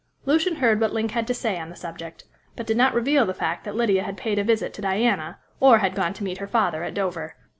Lucian heard what Link had to say on the subject, but did not reveal the fact that Lydia had paid a visit to Diana, or had gone to meet her father at Dover.